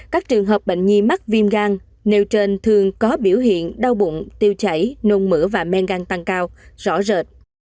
các trường hợp bệnh nhi mắc viêm gan nêu trên thường có biểu hiện đau bụng tiêu chảy nôn mửa và men gan tăng cao rõ rệt